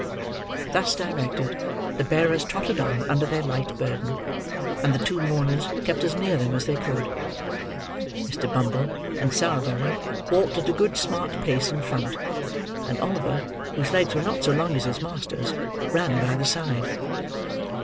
Thus directed, the bearers trotted on under their light burden; and the two mourners kept as near them, as they could. Mr. Bumble and Sowerberry walked at a good smart pace in front; and Oliver, whose legs were not so long as his master's, ran by the side.